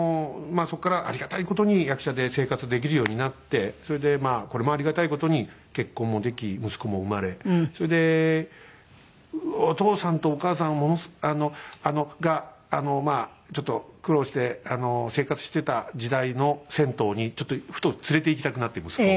そこからありがたい事に役者で生活できるようになってそれでこれもありがたい事に結婚もでき息子も生まれそれでお父さんとお母さんがちょっと苦労して生活してた時代の銭湯にちょっとふと連れていきたくなって息子を。